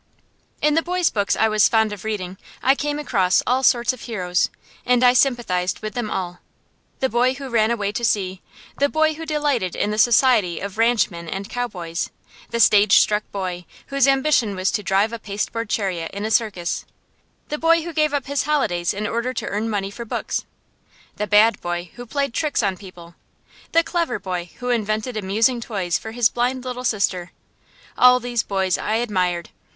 In the boys' books I was fond of reading I came across all sorts of heroes, and I sympathized with them all. The boy who ran away to sea; the boy who delighted in the society of ranchmen and cowboys; the stage struck boy, whose ambition was to drive a pasteboard chariot in a circus; the boy who gave up his holidays in order to earn money for books; the bad boy who played tricks on people; the clever boy who invented amusing toys for his blind little sister all these boys I admired.